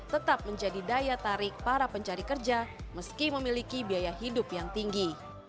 tetap menjadi daya tarik para pencari kerja meski memiliki biaya hidup yang tinggi